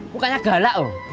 mukanya galak loh